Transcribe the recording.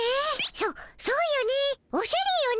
そそうよねおしゃれよね。